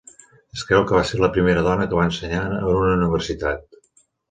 Es creu que va ser la primera dona que va ensenyar en una universitat.